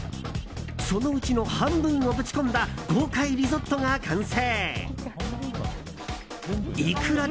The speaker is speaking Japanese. そのうちの半分をぶち込んだ豪快リゾットが完成。